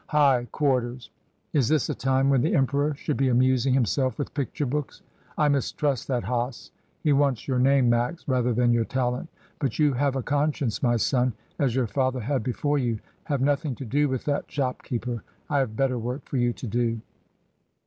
High quarters! Is this a time when the Emperor should be amusing himself with picture books? I mistrust that Hase. He wants your name. Max, rather than your talent. But you have a conscience, my son, as your father had before you. Have nothing to do with that shopkeeper; I have better work for you to do."